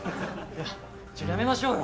ちょっとやめましょうよ！